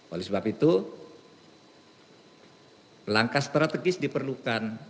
oleh sebab itu langkah strategis diperlukan